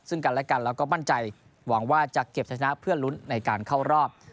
ซึ่งกันและกันแล้วก็มั่นใจหวังว่าจะเก็บชนะเพื่อลุ้นในการเข้ารอบ